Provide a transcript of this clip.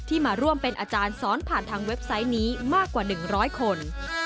มาร่วมเป็นอาจารย์สอนผ่านทางเว็บไซต์นี้มากกว่า๑๐๐คน